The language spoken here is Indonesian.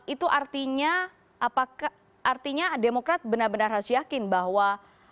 itu artinya demokrat benar benar harus yakin bahwa